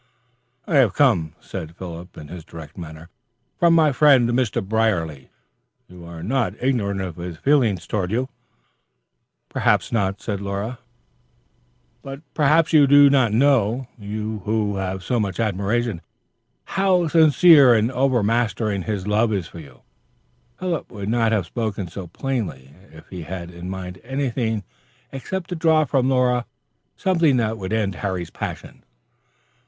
"I have come," said Philip in his direct manner, "from my friend Mr. Brierly. You are not ignorant of his feeling towards you?" "Perhaps not." "But perhaps you do not know, you who have so much admiration, how sincere and overmastering his love is for you?" Philip would not have spoken so plainly, if he had in mind anything except to draw from Laura something that would end Harry's passion.